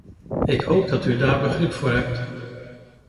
Ik hoop dat u daar begrip voor hebt.